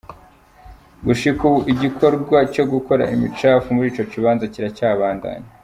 Gushika ubu igikorwa co gukura imicafu muri ico kibanza kiracabandanya.